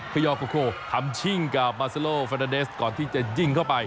ยอโคโคทำชิ่งกับมาเซโลเฟนาเดสก่อนที่จะยิงเข้าไป